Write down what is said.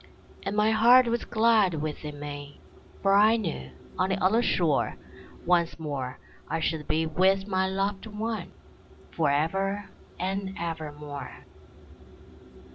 And my heart was glad within me, For I knew, on the other shore, Once more I should be with my loved one, Forever and evermore.